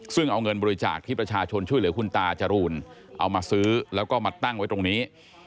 ซึ่งเอาเงินบริจาคที่ประชาชนช่วยเหลือคุณตาจรูนเอามาซื้อแล้วก็มาตั้งไว้ตรงนี้